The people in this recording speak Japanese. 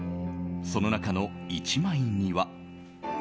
その中の１枚には。